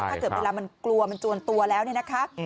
ถ้าเกิดเวลามันกลัวมันจวนตัวแล้วเนี่ยนะคะ